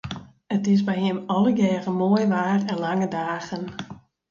It is by him allegearre moai waar en lange dagen.